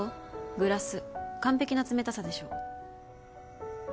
グラス完璧な冷たさでしょ